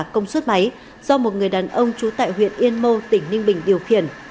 công suất máy do một người đàn ông trú tại huyện yên mô tỉnh ninh bình điều khiển